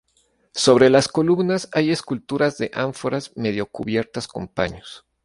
Sobre las columnas hay esculturas de ánforas medio cubiertas con paños.